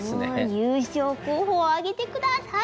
優勝候補を挙げて下さい！